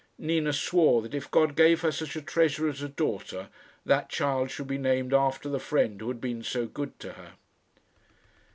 Nina swore that if God gave her such a treasure as a daughter, that child should be named after the friend who had been so good to her.